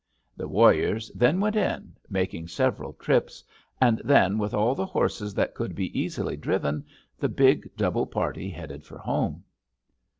The warriors then went in, making several trips, and then, with all the horses that could be easily driven, the big double party headed for home.